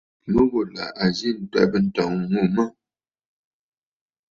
Mû ghù là à zî ǹtwɛ̀bə̂ ǹtɔ̀ŋ ŋù mə̀.